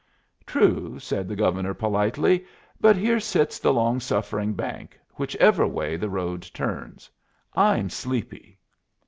"True," said the Governor, politely. "But here sits the long suffering bank, whichever way the road turns. I'm sleepy."